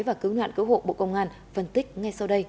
và cứu nạn cứu hộ bộ công an phân tích ngay sau đây